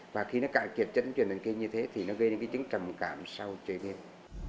và khi nó cạn kiệt chất dẫn truyền thần kinh như thế thì nó gây đến chứng trầm cảm sau chơi game